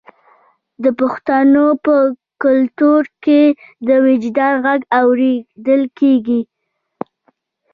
د پښتنو په کلتور کې د وجدان غږ اوریدل کیږي.